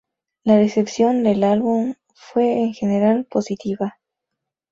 La recepción del álbum fue en general positiva.